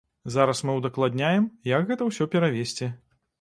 Зараз мы ўдакладняем, як гэта ўсё перавезці.